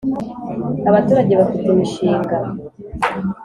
Abaturage bafite imishinga